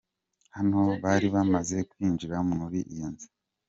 Hano bari bamaze kwinjira muri iyo nzu.